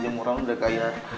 jemuran udah kayak